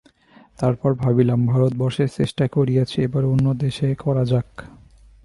তারপর ভাবিলাম, ভারতবর্ষে চেষ্টা করিয়াছি, এবার অন্য দেশে করা যাক।